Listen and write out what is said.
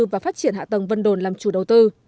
và phát triển hạ tầng vân đồn làm chủ đầu tư